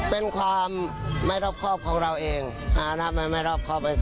เป็นความไม่รอบครอบของเราเองถ้ามันไม่รอบครอบ